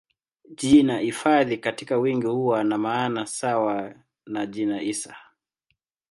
Jina hifadhi katika wingi huwa na maana sawa na jina hisa.